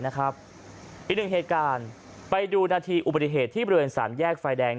อีกหนึ่งเหตุการณ์ไปดูนาทีอุบัติเหตุที่บริเวณสามแยกไฟแดง